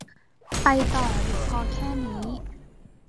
ไปต่อหรือพอแค่นี้